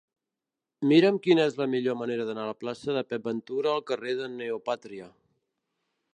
Mira'm quina és la millor manera d'anar de la plaça de Pep Ventura al carrer de Neopàtria.